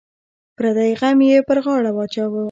پردی غم یې پر غاړه واچوه.